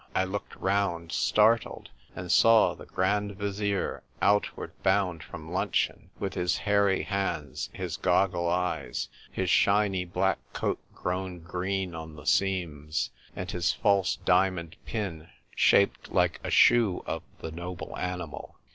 I looked round, startled, and saw the Grand Vizier, outward bound from luncheon, with his hairy hands, his goggle eyes, his shiny black coat grown green on the seams, and his false diamond pin shaped like a shoe of the noble animal.